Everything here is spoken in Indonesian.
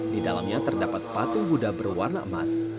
di dalamnya terdapat patung budha berwarna emas